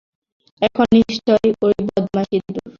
এটা নিশ্চয়ই ওই বদমাশ ইঁদুর।